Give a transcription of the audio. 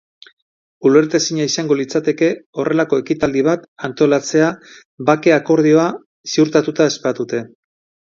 Ulertezina izango litzateke horrelako ekitaldi bat antolatzea bake akordioa ziurtatuta ez badute.